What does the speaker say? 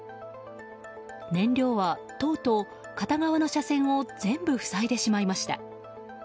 燃料はとうとう片側の車線を全部塞いでしまいました。